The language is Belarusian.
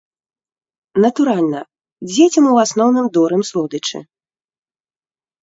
Натуральна, дзецям у асноўным дорым слодычы.